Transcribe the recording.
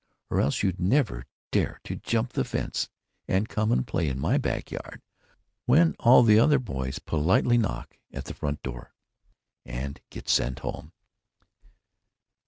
Or else you'd never dare to jump the fence and come and play in my back yard when all the other boys politely knock at the front door and get sent home."